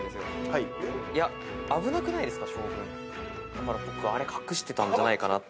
だから僕あれ隠してたんじゃないかなって。